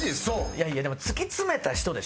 いやいやでも突き詰めた人でしょ？